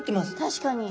確かに。